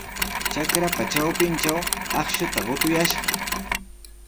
Trakrapa trawpintraw akshuta qutuyashqa.